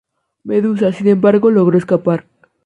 Medusa, sin embargo, logró escapar.